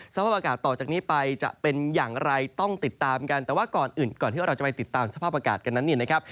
สภาพอากาศต่อจากนี้ไปจะเป็นอย่างไรต้องติดตามกันแต่ว่าก่อนอื่นก่อนที่เราจะไปติดตามสภาพอากาศกันนั้นเนี่ยนะครับ